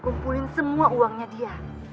aku gak mau setengah setengah ngumpulin hartanya dia